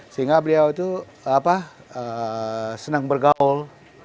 sehingga beliau itu senang bergaul